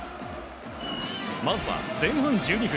まずは前半１２分。